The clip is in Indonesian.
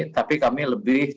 tapi kami lebih